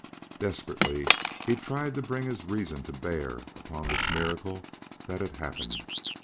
Desperately he tried to bring his reason to bear upon this miracle that had happened.